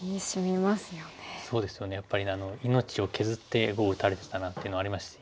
やっぱり命を削って碁を打たれてたなっていうのありますし。